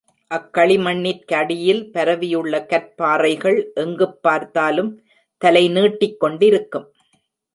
அக் களிமண்ணிற் கடியில் பரவியுள்ள கற்பாறைகள், எங்குப் பார்த்தாலும் தலை நீட்டிக்கொண்டிருக்கும்.